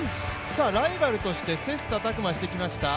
ライバルとして切磋琢磨してきました